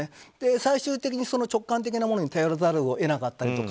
最終的に、直感的なものに頼らざるを得なかったりとか。